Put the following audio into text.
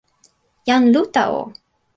jan Luta o!